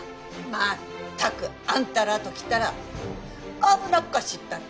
まったくあんたらときたら危なっかしいったらありゃせんわ！